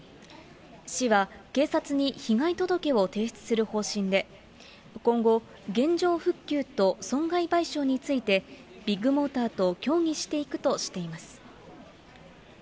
市は警察に被害届を提出する方針で、今後、現状復旧と損害賠償について、ビッグモーターと協議していくとしています。